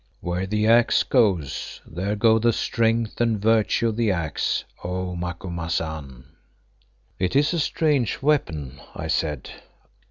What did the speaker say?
"Where the Axe goes, there go the strength and virtue of the Axe, O Macumazahn." "It is a strange weapon," I said.